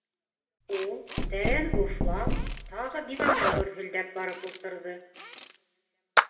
Ул, тәрән уфлап, тағы диванға гөрһөлдәп барып ултырҙы.